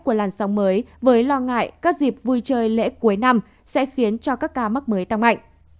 của làn sóng mới với lo ngại các dịp vui chơi lễ cuối năm sẽ khiến cho các ca mắc mới tăng mạnh